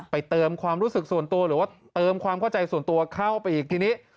เติมความรู้สึกส่วนตัวหรือว่าเติมความเข้าใจส่วนตัวเข้าไปอีกทีนี้